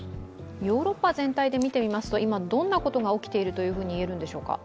ヨーロッパ全体で見てみますと、今どんなことが起きているといえるのでしょうか？